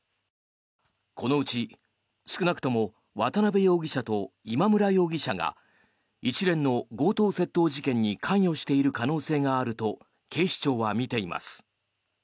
このうち、少なくとも渡邉容疑者と今村容疑者が一連の強盗・窃盗事件に関与している可能性があると警視庁は見ています。